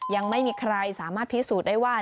ยังไม่มีใครสามารถพิสูจน์ได้ว่า